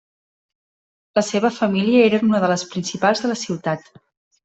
La seva família era una de les principals de la ciutat.